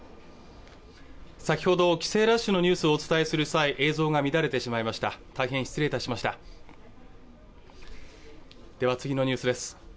先ほど帰省ラッシュのニュースをお伝えする際映像が乱れてしまいました大変失礼いたしましたでは次のニュースです